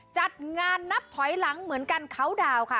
จัดงานนับถอยหลังเหมือนกันเขาดาวค่ะ